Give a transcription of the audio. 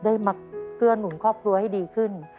ได้มาเกื้อหนุนครอบครัวให้ดีขึ้น